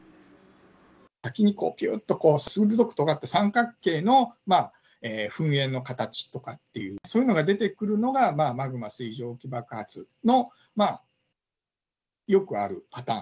先にぴゅーっとすごくとがった三角形の噴煙の形とかっていう、そういうのが出てくるのが、マグマ水蒸気爆発のよくあるパターン。